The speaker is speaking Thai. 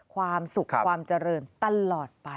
ความสุขความเจริญตลอดไป